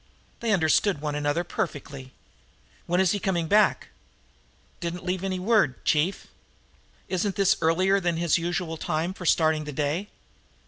They understood one another perfectly. "When is he coming back?" "Didn't leave any word, chief." "Isn't this earlier than his usual time for starting the day?"